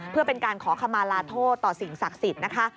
เพื่อเป็นการขอขมาลาโทษต่อสิ่งศักดิ์สิทธิ์นะคะ